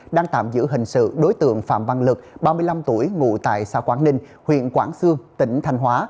đang tạm giữ hình sự đối tượng phạm văn lực ba mươi năm tuổi ngủ tại xa quảng ninh huyện quảng xương tỉnh thành hóa